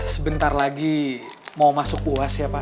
sebentar lagi mau masuk puas ya pak